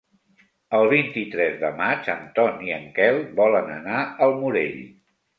El vint-i-tres de maig en Ton i en Quel volen anar al Morell.